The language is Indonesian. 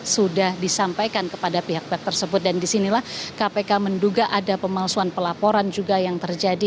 sudah disampaikan kepada pihak pihak tersebut dan disinilah kpk menduga ada pemalsuan pelaporan juga yang terjadi